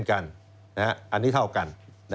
อันนี้เท่ากัน